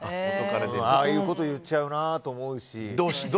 ああいうこと言っちゃうなと思うし。